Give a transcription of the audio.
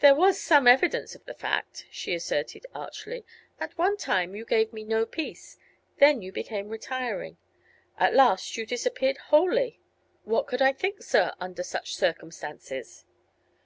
"There was some evidence of the fact," she asserted archly. "At one time you gave me no peace; then you became retiring. At last you disappeared wholly. What could I think, sir, under such circumstances?"